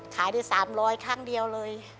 ขายได้สามร้อยครั้งเดียวเลย